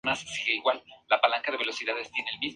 Por fortuna, Jean Grey logra obtener control sobre la entidad.